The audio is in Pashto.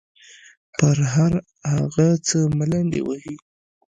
پر هر هغه څه ملنډې وهي.